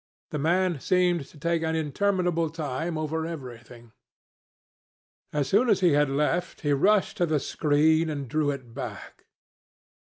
The man seemed to take an interminable time over everything. As soon as he had left, he rushed to the screen and drew it back.